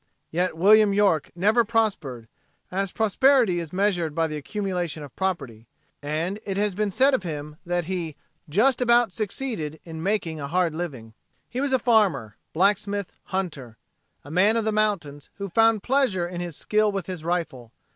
Yet William York never prospered, as prosperity is measured by the accumulation of property, and it has been said of him that he "just about succeeded in making a hard living." He was farmer, blacksmith, hunter a man of the mountains who found pleasure in his skill with his rifle.